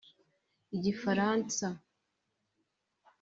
Igifaransa